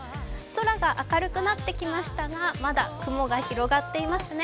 空が明るくなってきましたが、まだ雲が広がっていますね。